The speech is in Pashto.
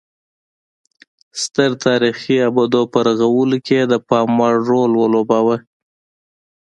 ستر تاریخي ابدو په رغولو کې یې د پام وړ رول ولوباوه